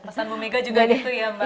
pasal bu mega juga gitu ya mbak